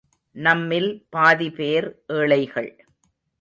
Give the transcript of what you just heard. நம்மில் பாதிபேர் ஏழைகள்.